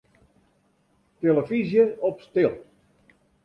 Tillefyzje op stil.